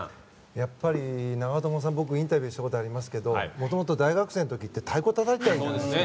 やっぱり長友さん、僕はインタビューしたことありますがもともと大学生の時って太鼓をたたいていたんですよね。